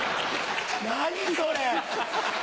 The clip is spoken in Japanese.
何それ！